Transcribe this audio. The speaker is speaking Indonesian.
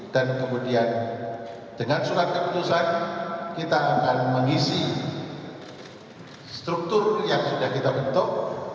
dan kemudian dengan surat keputusan kita akan mengisi struktur yang sudah kita bentuk